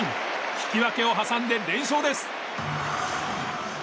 引き分けを挟んで連勝です。